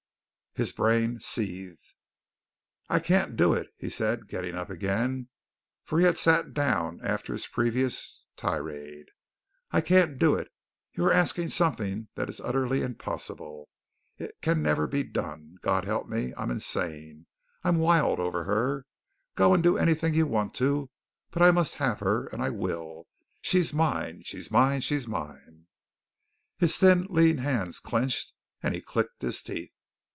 His brain seethed. "I can't do it," he said, getting up again, for he had sat down after his previous tirade. "I can't do it. You are asking something that is utterly impossible. It can never be done. God help me, I'm insane, I'm wild over her. Go and do anything you want to, but I must have her and I will. She's mine! She's mine! She's mine!" His thin, lean hands clenched and he clicked his teeth.